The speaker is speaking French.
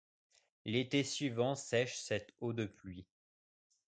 L'été suivant sèche cette eau de pluie.